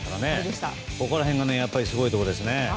ここら辺がすごいところですね。